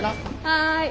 はい。